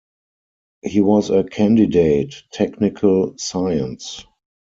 He was a candidate technical science.